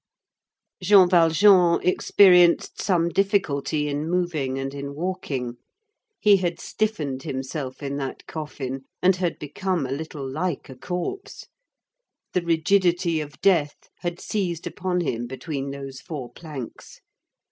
Jean Valjean experienced some difficulty in moving and in walking. He had stiffened himself in that coffin, and had become a little like a corpse. The rigidity of death had seized upon him between those four planks.